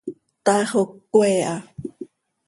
Taax oo cöquee ha.